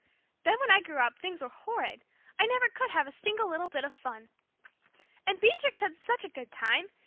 Then when I grew up things were horrid. I never could have a single little bit of fun. And Beatrix had such a good time!